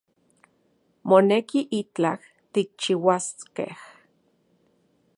Moneki itlaj tikchiuaskej